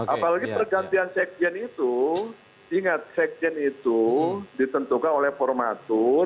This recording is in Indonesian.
apalagi pergantian sekjen itu ingat sekjen itu ditentukan oleh formatur